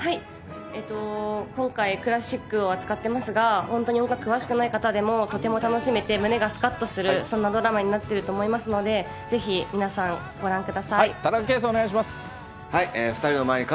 今回、クラシックを扱ってますが、本当に音楽詳しくない方でも、とても楽しめて胸がすかっとするそんなドラマになっていると思い全国の皆さん、こんにちは。